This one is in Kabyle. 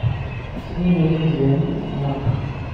Tessnem timeẓyanin, naɣ?